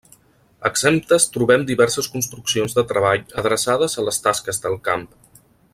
Exemptes trobem diverses construccions de treball adreçades a les tasques del camp.